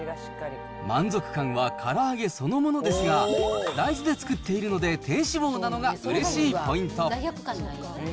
満足感はから揚げそのものですが、大豆で作っているので、低脂肪なのがうれしいポイント。